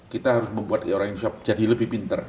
kita harus membuat orang indonesia jadi lebih pinter